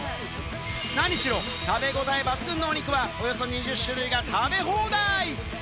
何しろ食べごたえ抜群のお肉、およそ２０種類が食べ放題！